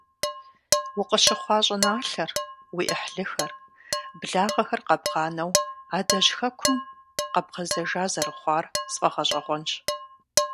Укъыщыхъуа щӀыналъэр, уи Ӏыхьлыхэр, благъэхэр къэбгъанэу адэжь Хэкум къэбгъэзэжа зэрыхъуар сфӀэгъэщӀэгъуэнщ.